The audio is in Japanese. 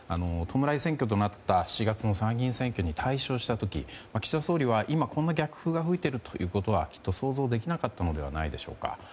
弔い選挙となった７月の参議院選挙に大勝した時岸田総理は、今、この逆風が吹いているということはきっと想像できなかったのではないでしょうか。